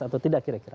atau tidak kira kira